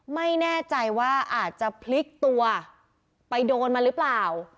ไม่แน่ใจว่าอาจจะพลิกตัวไปโดนมาหรือเปล่า